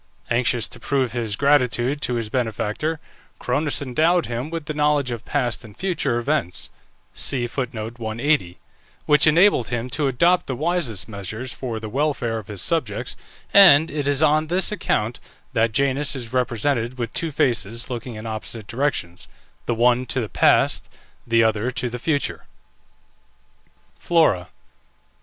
Anxious to prove his gratitude to his benefactor, Cronus endowed him with the knowledge of past and future events, which enabled him to adopt the wisest measures for the welfare of his subjects, and it is on this account that Janus is represented with two faces looking in opposite directions, the one to the past, the other to the future. FLORA.